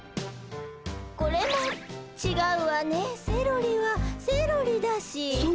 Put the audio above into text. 「これもちがうわねセロリはセロリだし」